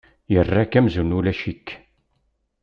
Yerra-k amzun ulac-ik.